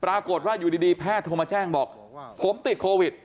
ปรากฏว่าอยู่ดีแพทย์โทรมาแจ้งบอกผมติดโควิด